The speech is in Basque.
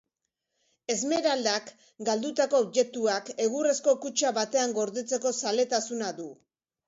Esmeraldak galdutako objektuak egurrezko kutxa batean gordetzeko zaletasuna du.